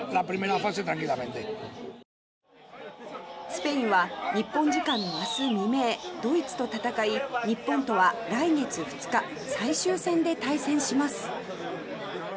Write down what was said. スペインは日本時間の明日未明ドイツと戦い日本とは来月２日最終戦で対戦します。